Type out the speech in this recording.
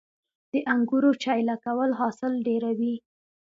د انګورو چیله کول حاصل ډیروي